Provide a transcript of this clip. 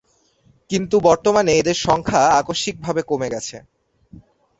কিন্তু বর্তমানে এদের সংখ্যা আকস্মিক ভাবে কমে গেছে।